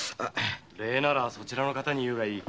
礼ならそちらの方に言うがよい。